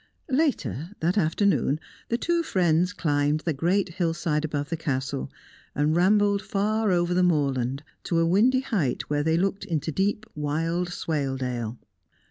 Later, that afternoon, the two friends climbed the great hillside above the Castle, and rambled far over the moorland, to a windy height where they looked into deep wild Swaledale.